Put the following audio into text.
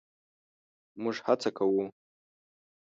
مونږ هڅه کوو